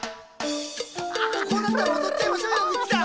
こうなったらおどっちゃいましょうよグッチさん。